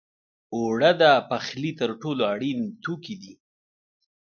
اوړه د پخلي تر ټولو اړین توکي دي